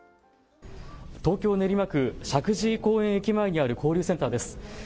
東京練馬区石神井公園駅前にある交流センターです。